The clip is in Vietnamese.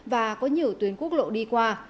và có nhiều tuyến quốc lộ đi qua